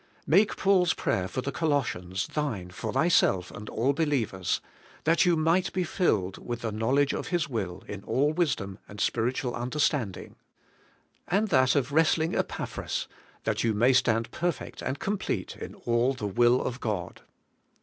Make Paul's prayer for the Colossians thine for thyself and all be lievers, 'that you might he filled with the knowledge of His will in all wisdom and spiritual understanding;' and that of wrestling Epaphras, *that you may stand perfect and complete in all the will of God.